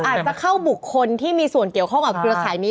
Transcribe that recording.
อาจจะเข้าบุคคลที่มีส่วนเกี่ยวข้องกับเครือข่ายนี้